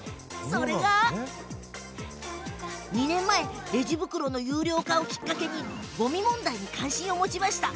それが２年前レジ袋の有料化をきっかけにごみ問題に関心を持ちました。